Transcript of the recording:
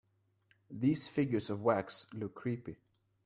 These figures of wax look creepy.